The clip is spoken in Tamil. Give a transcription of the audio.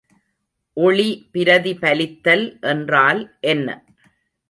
ஒளி பிரதிபலித்தல் என்றால் என்ன?